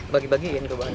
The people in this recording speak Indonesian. bagi bagikan ke warga